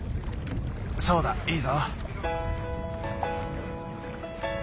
そうだいいぞ。